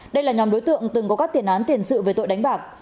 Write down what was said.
đây là nhóm đối tượng từng có các tiền án tiền sự về tội đánh bạc